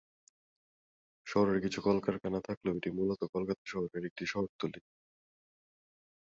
শহরে কিছু কলকারখানা থাকলেও এটি মূলত কলকাতা শহরের একটি শহরতলী।